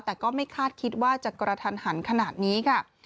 แต่ก็ไม่คาดคิดว่าจะกระทันหันขนาดนี้ค่ะ